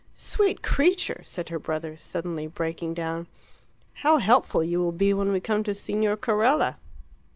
"Sweet creature!" said her brother, suddenly breaking down. "How helpful you will be when we come to Signor Carella!"